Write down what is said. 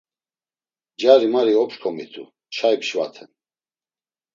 Cari mari opşǩomitu, çayi pşvaten.